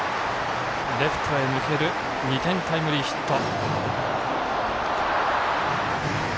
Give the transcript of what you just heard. レフトへ抜ける２点タイムリーヒット。